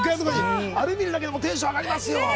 あれ見るだけでテンションが上がりますよ。